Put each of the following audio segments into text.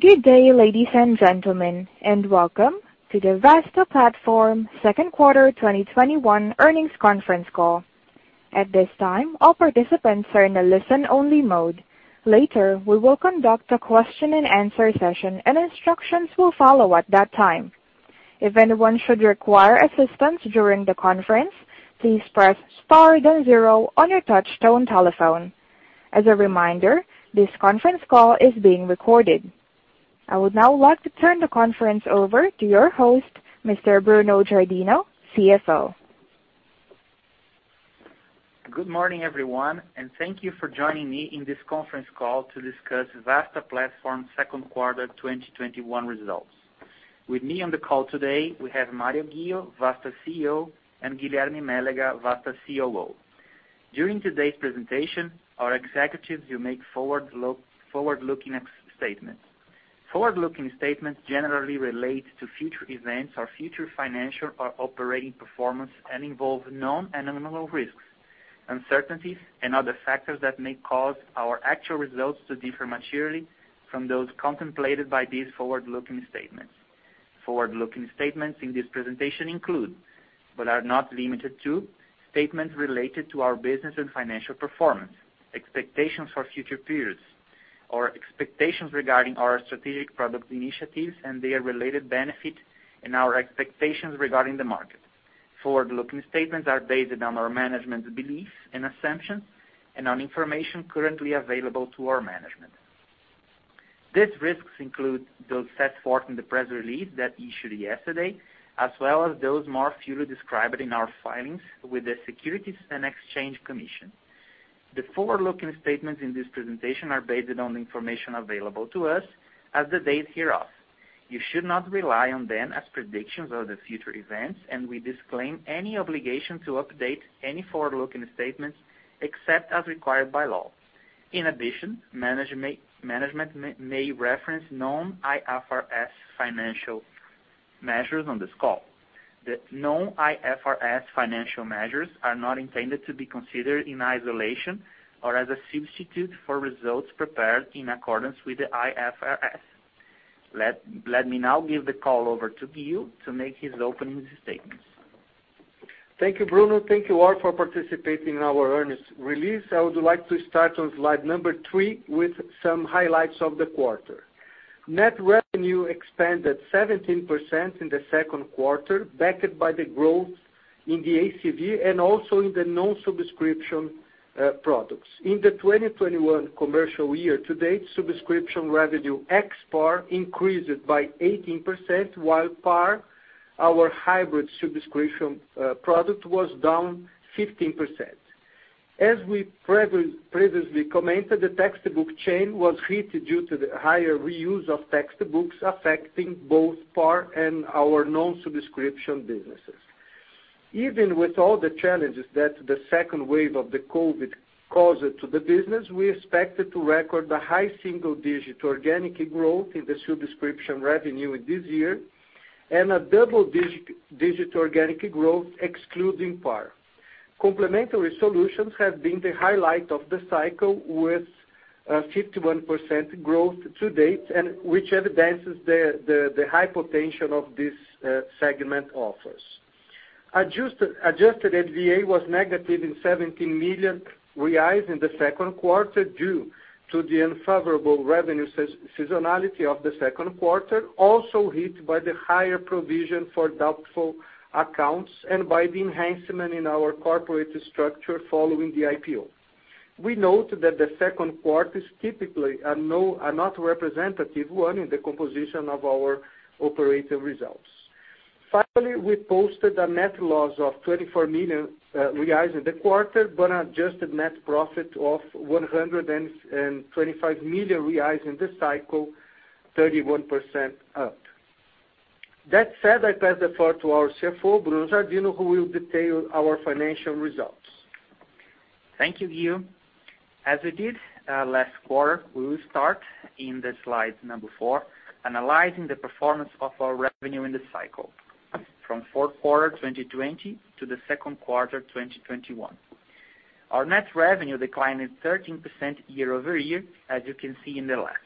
Good day, ladies and gentlemen, and welcome to the Vasta Platform second quarter 2021 earnings conference call. At this time, all participants are in a listen-only mode. Later, we will conduct a question and answer session, and instructions will follow at that time. If anyone should require assistance during the conference, please press star then zero on your touch tone telephone. As a reminder, this conference call is being recorded. I would now like to turn the conference over to your host, Mr. Bruno Giardino, CFO. Good morning, everyone, and thank you for joining me in this conference call to discuss Vasta Platform's second quarter 2021 results. With me on the call today, we have Mário Ghio Junior, Vasta's CEO, and Guilherme Alves Mélega, Vasta's COO. During today's presentation, our executives will make forward-looking statements. Forward-looking statements generally relate to future events or future financial or operating performance and involve known and unknown risks, uncertainties, and other factors that may cause our actual results to differ materially from those contemplated by these forward-looking statements. Forward-looking statements in this presentation include, but are not limited to, statements related to our business and financial performance, expectations for future periods, or expectations regarding our strategic product initiatives and their related benefit, and our expectations regarding the market. Forward-looking statements are based on our management's beliefs and assumptions and on information currently available to our management. These risks include those set forth in the press release that issued yesterday, as well as those more fully described in our filings with the Securities and Exchange Commission. The forward-looking statements in this presentation are based on the information available to us as the date hereof. You should not rely on them as predictions of the future events, and we disclaim any obligation to update any forward-looking statements except as required by law. In addition, management may reference non-IFRS financial measures on this call. The non-IFRS financial measures are not intended to be considered in isolation or as a substitute for results prepared in accordance with the IFRS. Let me now give the call over to Ghio to make his opening statements. Thank you, Bruno. Thank you all for participating in our earnings release. I would like to start on slide number three with some highlights of the quarter. Net revenue expanded 17% in the second quarter, backed by the growth in the ACV and also in the non-subscription products. In the 2021 commercial year to date, subscription revenue ex PAR increased by 18%, while PAR, our hybrid subscription product, was down 15%. As we previously commented, the textbook chain was hit due to the higher reuse of textbooks, affecting both PAR and our non-subscription businesses. Even with all the challenges that the second wave of the COVID caused to the business, we expected to record a high single-digit organic growth in the subscription revenue this year and a double-digit organic growth excluding PAR. Complementary solutions have been the highlight of the cycle, with 51% growth to date, and which evidences the high potential of this segment offers. Adjusted EBITDA was negative in 17 million reais in the second quarter due to the unfavorable revenue seasonality of the second quarter, also hit by the higher provision for doubtful accounts and by the enhancement in our corporate structure following the IPO. We note that the second quarter is typically a not representative one in the composition of our operating results. Finally, we posted a net loss of 24 million reais in the quarter, but adjusted net profit of 125 million reais in the cycle, 31% up. That said, I pass the floor to our CFO, Bruno Giardino, who will detail our financial results. Thank you, Ghio. As we did last quarter, we will start in the slide four, analyzing the performance of our revenue in the cycle from fourth quarter 2020 to the second quarter 2021. Our net revenue declined at 13% year-over-year, as you can see in the left.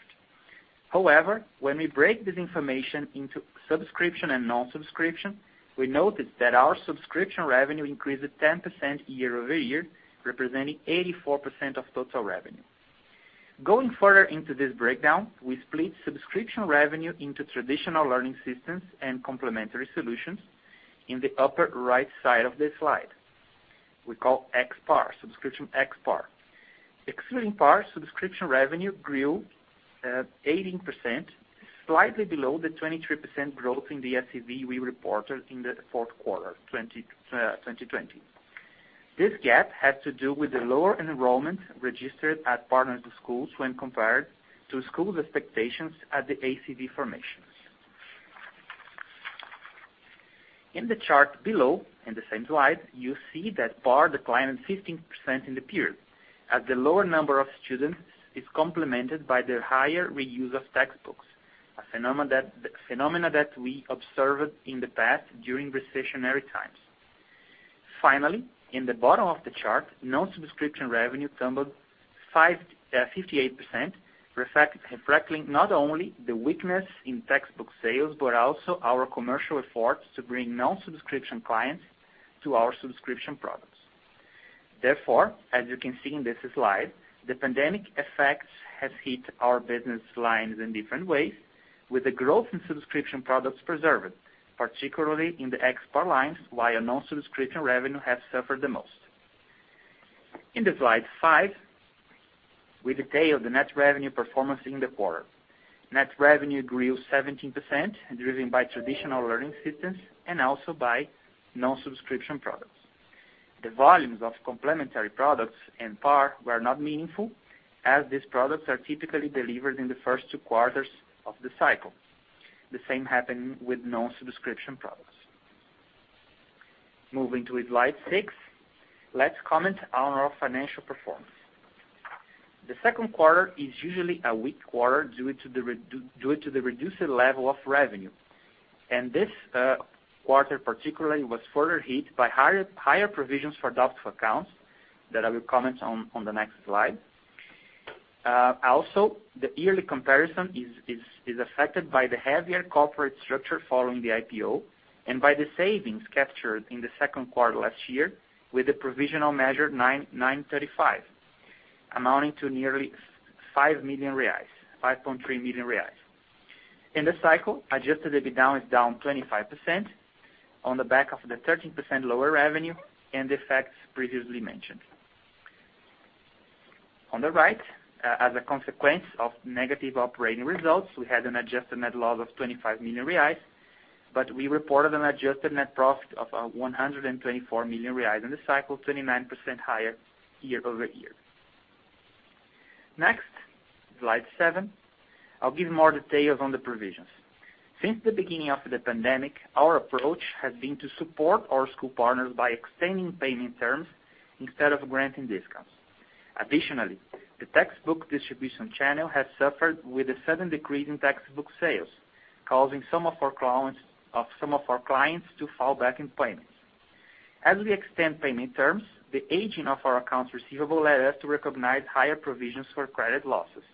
However, when we break this information into subscription and non-subscription, we notice that our subscription revenue increased at 10% year-over-year, representing 84% of total revenue. Going further into this breakdown, we split subscription revenue into traditional learning systems and complementary solutions in the upper right side of the slide. We call ex PAR, subscription ex PAR. Excluding PAR subscription revenue grew 18%, slightly below the 23% growth in the ACV we reported in the fourth quarter 2020. This gap had to do with the lower enrollment registered at partner schools when compared to schools' expectations at the ACV formations. In the chart below, in the same slide, you see that PAR declined at 15% in the period, as the lower number of students is complemented by the higher reuse of textbooks, a phenomena that we observed in the past during recessionary times. Finally, in the bottom of the chart, non-subscription revenue tumbled 58%, reflecting not only the weakness in textbook sales, but also our commercial efforts to bring non-subscription clients to our subscription products. Therefore, as you can see in this slide, the pandemic effects has hit our business lines in different ways, with the growth in subscription products preserved, particularly in the export lines, while our non-subscription revenue has suffered the most. In the slide five, we detail the net revenue performance in the quarter. Net revenue grew 17%, driven by traditional learning systems and also by non-subscription products. The volumes of complementary products and PAR were not meaningful as these products are typically delivered in the first two quarters of the cycle. The same happened with non-subscription products. Moving to slide six, let's comment on our financial performance. The second quarter is usually a weak quarter due to the reduced level of revenue. This quarter particularly was further hit by higher provisions for doubtful accounts that I will comment on the next slide. The yearly comparison is affected by the heavier corporate structure following the IPO and by the savings captured in the second quarter last year with the provisional measure 935, amounting to nearly 5.3 million reais. In the cycle, adjusted EBITDA is down 25% on the back of the 13% lower revenue and the effects previously mentioned. On the right, as a consequence of negative operating results, we had an adjusted net loss of 25 million reais, we reported an adjusted net profit of 124 million reais in the cycle, 29% higher year-over-year. Next, slide seven. I'll give more details on the provisions. Since the beginning of the pandemic, our approach has been to support our school partners by extending payment terms instead of granting discounts. Additionally, the textbook distribution channel has suffered with a sudden decrease in textbook sales, causing some of our clients to fall back in payments. As we extend payment terms, the aging of our accounts receivable led us to recognize higher provisions for credit losses.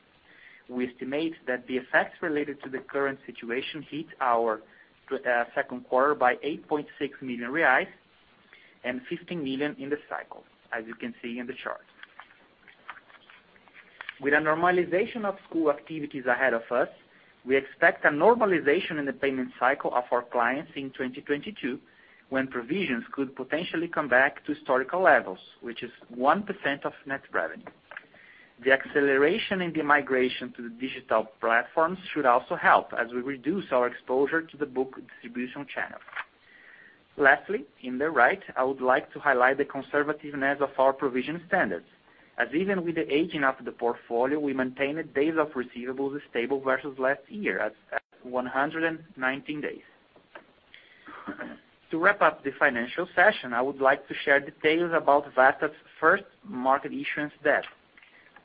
We estimate that the effects related to the current situation hit our second quarter by 8.6 million reais and 15 million in the cycle, as you can see in the chart. With a normalization of school activities ahead of us, we expect a normalization in the payment cycle of our clients in 2022, when provisions could potentially come back to historical levels, which is 1% of net revenue. The acceleration in the migration to the digital platforms should also help as we reduce our exposure to the book distribution channel. Lastly, in the right, I would like to highlight the conservativeness of our provision standards, as even with the aging of the portfolio, we maintained days of receivables stable versus last year at 119 days. To wrap up the financial session, I would like to share details about Vasta's first market issuance debt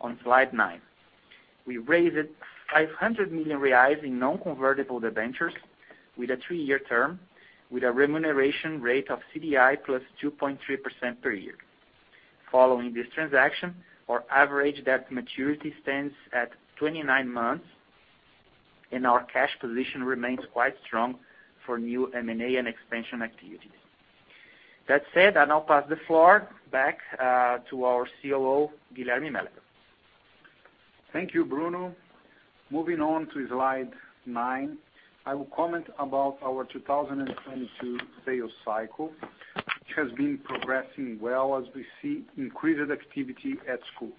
on slide nine. We raised 500 million reais in non-convertible debentures with a 3-year term with a remuneration rate of CDI plus 2.3% per year. Following this transaction, our average debt maturity stands at 29 months, and our cash position remains quite strong for new M&A and expansion activities. That said, I now pass the floor back to our COO, Guilherme Mélega. Thank you, Bruno. Moving on to slide nine, I will comment about our 2022 sales cycle, which has been progressing well as we see increased activity at schools.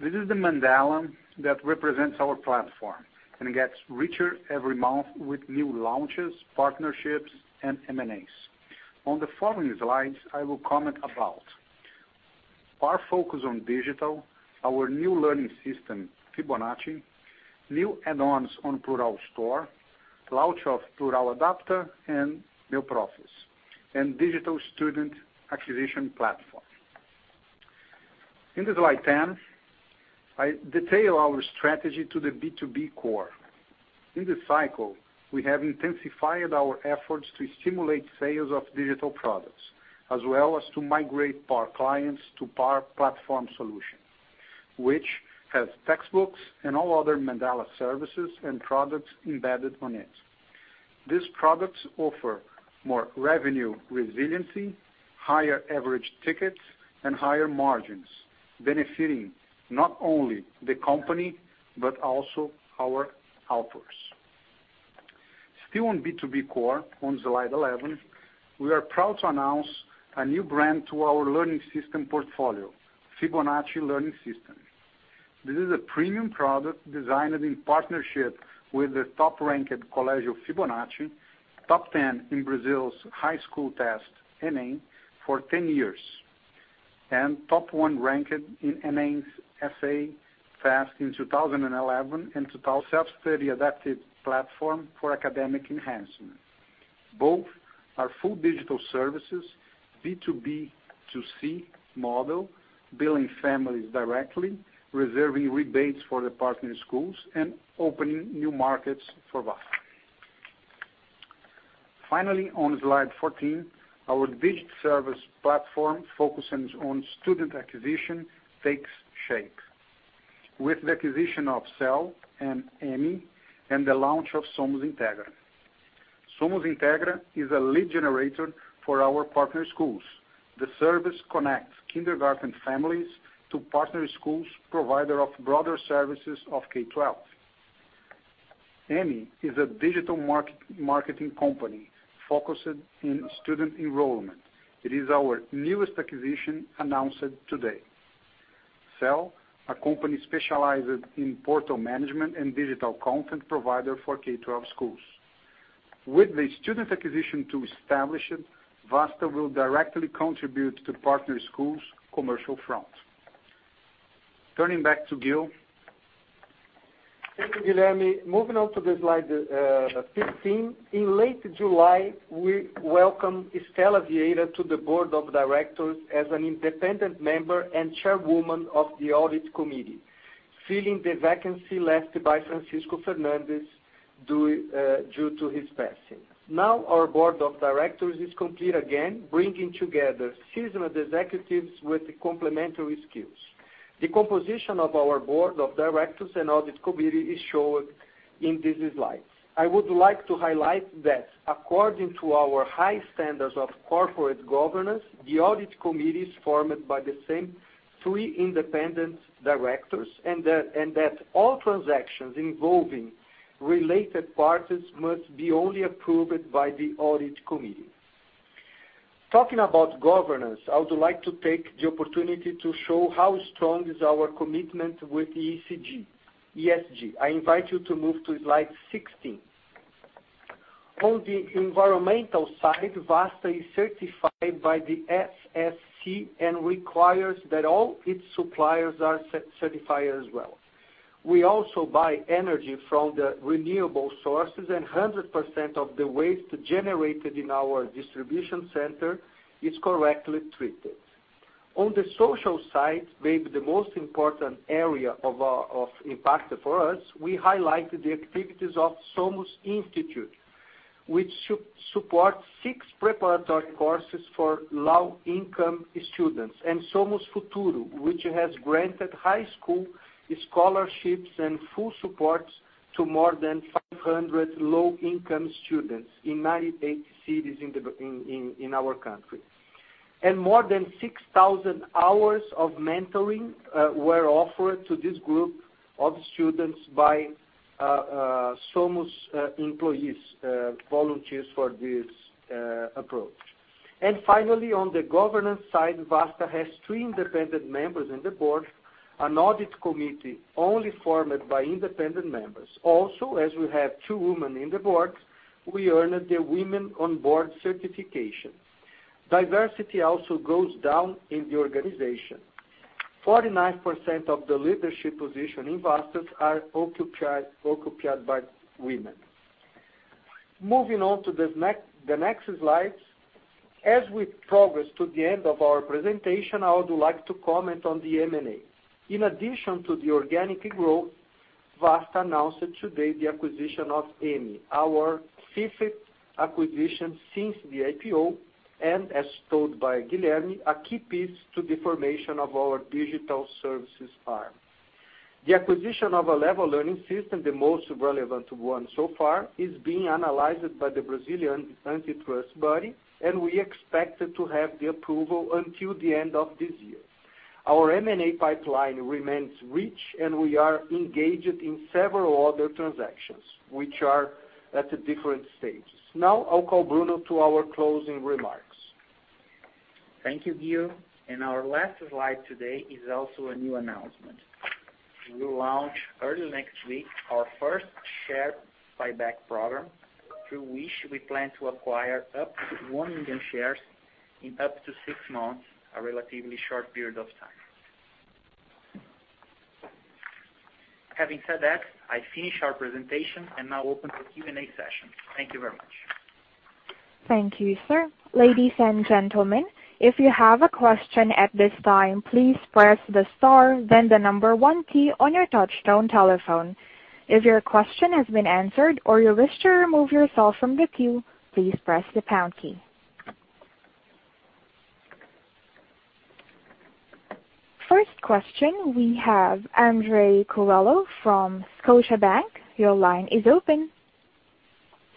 This is the mandala that represents our platform and gets richer every month with new launches, partnerships, and M&As. On the following slides, I will comment about our focus on digital, our new learning system, Fibonacci, new add-ons on Plurall Store, launch of Plurall Adapta and MeuProf, and digital student acquisition platform. In slide 10, I detail our strategy to the B2B core. In this cycle, we have intensified our efforts to stimulate sales of digital products, as well as to migrate our clients to our platform solution, which has textbooks and all other mandala services and products embedded on it. These products offer more revenue resiliency, higher average tickets, and higher margins, benefiting not only the company but also our outputs. Still on B2B core, on slide 11, we are proud to announce a new brand to our learning system portfolio, Fibonacci Learning System. This is a premium product designed in partnership with the top-ranked Colégio Fibonacci, top 10 in Brazil's high school test, ENEM, for 10 years, and top one ranked in ENEM's essay test in 2011 and self-study adaptive platform for academic enhancement. Both are full digital services, B2B2C model, billing families directly, reserving rebates for the partner schools, and opening new markets for Vasta. On slide 14, our digital service platform focusing on student acquisition takes shape. With the acquisition of Eleva and Meritt and the launch of Somos Integra. Somos Integra is a lead generator for our partner schools. The service connects kindergarten families to partner schools, provider of broader services of K-12. EMME is a digital marketing company focused on student enrollment. It is our newest acquisition announced today. Cell, a company specialized in portal management and digital content provider for K-12 schools. With the student acquisition to establish it, Vasta will directly contribute to partner schools' commercial front. Turning back to Ghio. Thank you, Guilherme. Moving on to slide 15. In late July, we welcomed Estela Vieira to the board of directors as an independent member and Chairwoman of the audit committee, filling the vacancy left by Francisco Fernandez due to his passing. Our board of directors is complete again, bringing together seasoned executives with complementary skills. The composition of our board of directors and audit committee is shown in this slide. I would like to highlight that according to our high standards of corporate governance, the audit committee is formed by the same three independent directors and that all transactions involving related parties must be only approved by the audit committee. Talking about governance, I would like to take the opportunity to show how strong is our commitment with ESG. I invite you to move to slide 16. On the environmental side, Vasta is certified by the FSC and requires that all its suppliers are certified as well. We also buy energy from renewable sources and 100% of the waste generated in our distribution center is correctly treated. On the social side, maybe the most important area of impact for us, we highlight the activities of Instituto SOMOS, which supports six preparatory courses for low-income students and Somos Futuro, which has granted high school scholarships and full support to more than 500 low-income students in 98 cities in our country. More than 6,000 hours of mentoring were offered to this group of students by Somos employees, volunteers for this approach. Finally, on the governance side, Vasta has three independent members on the board, an audit committee only formed by independent members. As we have two women on the board, we earned the Women on Board certification. Diversity also goes down in the organization. 49% of the leadership positions in Vasta are occupied by women. Moving on to the next slide. As we progress to the end of our presentation, I would like to comment on the M&A. In addition to the organic growth, Vasta announced today the acquisition of Eleva, our fifth acquisition since the IPO, and as told by Guilherme, a key piece to the formation of our digital services arm. The acquisition of Eleva learning system, the most relevant one so far, is being analyzed by the Brazilian antitrust body, and we expect to have the approval until the end of this year. Our M&A pipeline remains rich, and we are engaged in several other transactions, which are at different stages. I'll call Bruno to our closing remarks. Thank you, Ghio. Our last slide today is also a new announcement. We launch early next week our first share buyback program, through which we plan to acquire up to 1 million shares in up to six months, a relatively short period of time. Having said that, I finish our presentation and now open the Q&A session. Thank you very much. Thank you, sir. Ladies and gentlemen, if you have a question at this time, please press the star then the 1 key on your touchtone telephone. If your question has been answered, or you wish to remove yourself from the queue, please press the pound key. First question, we have Andres Coello from Scotiabank. Your line is open.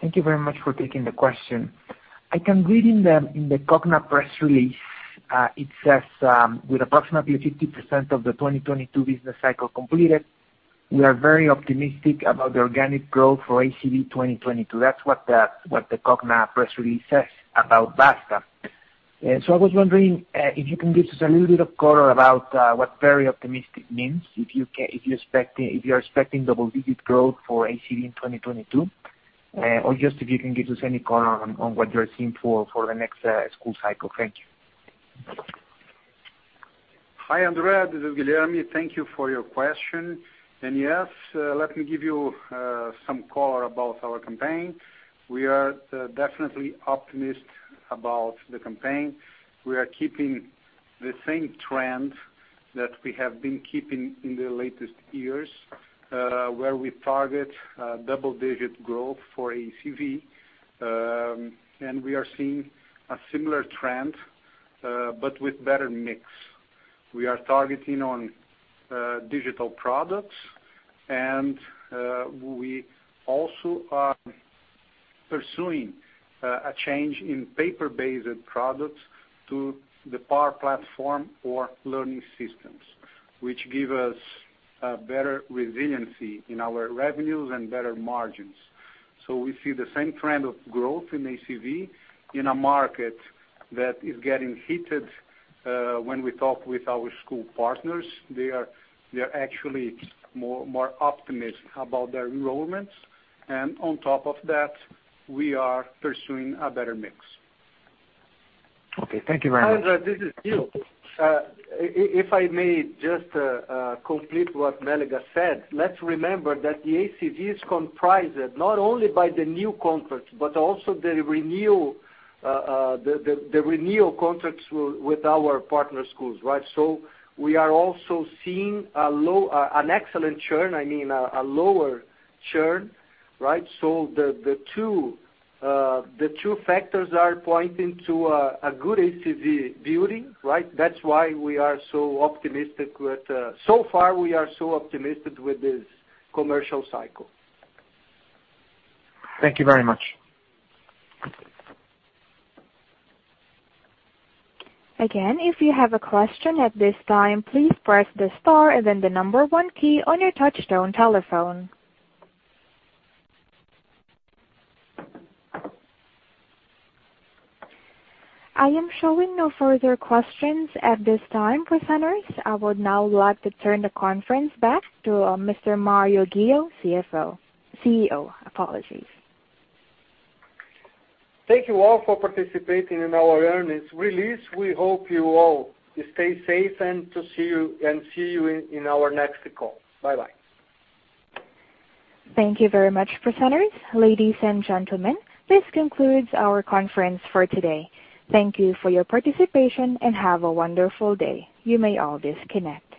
Thank you very much for taking the question. I can read in the Cogna press release it says, "With approximately 50% of the 2022 business cycle completed, we are very optimistic about the organic growth for ACV 2022." That's what the Cogna press release says about Vasta. I was wondering if you can give us a little bit of color about what very optimistic means, if you're expecting double-digit growth for ACV in 2022, or just if you can give us any color on what you're seeing for the next school cycle. Thank you. Hi, Andres Coello. This is Guilherme. Thank you for your question. Yes, let me give you some color about our campaign. We are definitely optimistic about the campaign. We are keeping the same trend That we have been keeping in the latest years, where we target double-digit growth for ACV. We are seeing a similar trend, but with better mix. We are targeting on digital products, and we also are pursuing a change in paper-based products to the power platform or learning systems, which give us a better resiliency in our revenues and better margins. We see the same trend of growth in ACV in a market that is getting heated. When we talk with our school partners, they are actually more optimistic about their enrollments. On top of that, we are pursuing a better mix. Okay. Thank you very much. Andres, this is Ghio. If I may just complete what Mélega said, let's remember that the ACV is comprised not only by the new contracts, but also the renewal contracts with our partner schools, right? We are also seeing an excellent churn, I mean, a lower churn, right? The two factors are pointing to a good ACV building, right? So far, we are so optimistic with this commercial cycle. Thank you very much. Again, if you have a question at this time, please press the star and then the one key on your touchtone telephone. I am showing no further questions at this time, presenters. I would now like to turn the conference back to Mr. Mário Ghio, CEO. Apologies. Thank you all for participating in our earnings release. We hope you all stay safe and see you in our next call. Bye-bye. Thank you very much, presenters. Ladies and gentlemen, this concludes our conference for today. Thank you for your participation, and have a wonderful day. You may all disconnect.